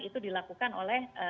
itu dilakukan oleh